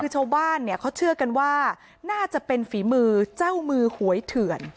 ชาวบ้านเขาเชื่อกันว่าน่าจะเป็นฝีมือเจ้ามือหวยเถื่อน